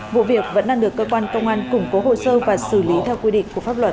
vụ việc vẫn đang được cơ quan công an củng cố hồ sơ và xử lý theo quy định của pháp luật